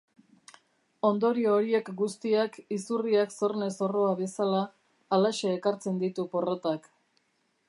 Ondorio horiek guztiak, izurriak zorne zorroa bezala, halaxe ekartzen ditu porrotak.